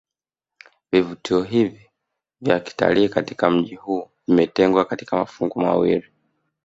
Vivutio hivi vya kitalii katika mji huu vimetengwa katika mafungu mawili